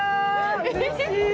うれしい。